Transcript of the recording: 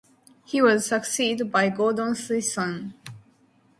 He was succeeded by Gordon Thiessen.